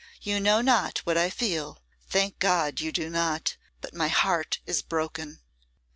You know not what I feel. Thank God, you do not; but my heart is broken.